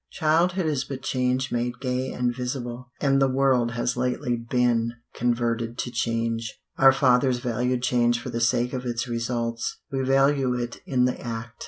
Childhood is but change made gay and visible, and the world has lately been converted to change. Our fathers valued change for the sake of its results; we value it in the act.